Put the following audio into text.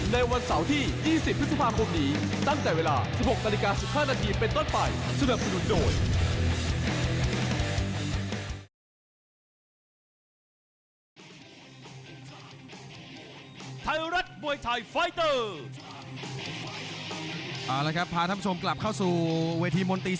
ในวันเสาร์ที่๒๐พฤษภาคมกรมดี